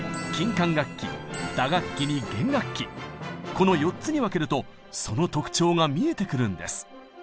この４つに分けるとその特徴が見えてくるんです。